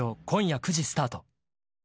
今夜９時スタート。